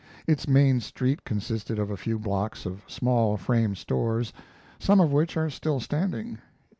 Its main street consisted of a few blocks of small frame stores, some of which are still standing.